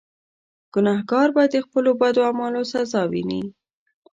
ګناهکار به د خپلو بدو اعمالو سزا ویني.